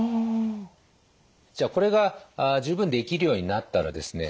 じゃあこれが十分できるようになったらですね